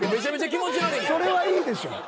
それはいいでしょ。